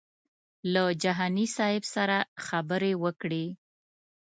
له جهاني صاحب سره خبرې وکړې.